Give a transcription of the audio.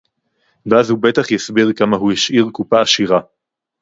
ואז הוא בטח יסביר כמה הוא השאיר קופה עשירה